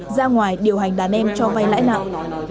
ra ngoài điều hành đàn em cho vay lãi nặng